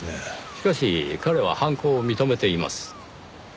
しかし彼は犯行を認めています。